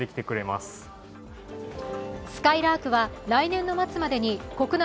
すかいらーくは来年の末までに国内